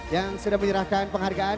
yang sudah menyerahkan penghargaan